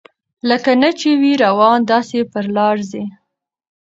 لکه نه چي وي روان داسي پر لار ځي